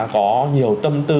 có nhiều tâm tư